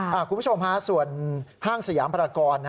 คุณผู้ชมฮะส่วนห้างสยามพรากร